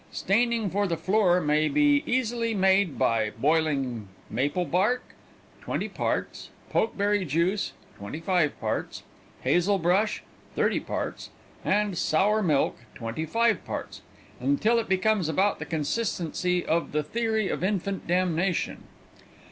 Staining for the floor maybe easily made, by boiling maple bark, twenty parts; pokeberry juice, twenty five parts; hazel brush, thirty parts, and sour milk, twenty five parts, until it becomes about the consistency of the theory of infant damnation.